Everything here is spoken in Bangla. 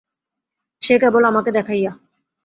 সে কেবল আমাকে দেখাইয়া।